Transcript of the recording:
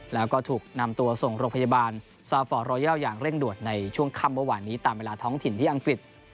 แล้วก็ถูกนำตัวส่งโรงพยาบาลซาฟอร์รอยยาวอย่างเร่งด่วนในช่วงค่ำเมื่อวานนี้ตามเวลาท้องถิ่นที่อังกฤษ